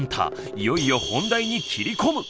いよいよ本題に切り込む。